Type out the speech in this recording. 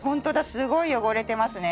すごい汚れてますね。